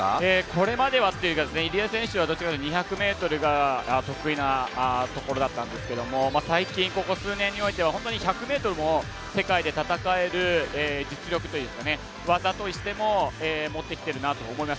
これまでは入江選手はどちらかというと２００ｍが得意なところだったんですけども最近、ここ数年においては１００ｍも世界で戦える実力といいますか技としてももってきてるなと思います。